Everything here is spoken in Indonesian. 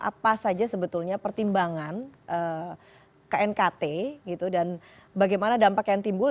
apa saja sebetulnya pertimbangan knkt gitu dan bagaimana dampak yang timbul